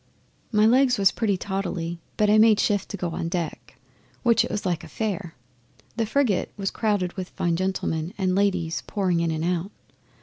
'My legs was pretty tottly, but I made shift to go on deck, which it was like a fair. The frigate was crowded with fine gentlemen and ladies pouring in and out.